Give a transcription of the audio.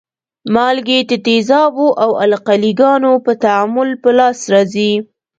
مالګې د تیزابو او القلي ګانو په تعامل په لاس راځي.